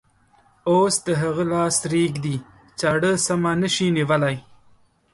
اوس د هغه لاسونه رېږدي، چاړه سمه نشي نیولی.